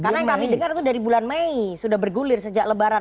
karena yang kami dengar itu dari bulan mei sudah bergulir sejak lebaran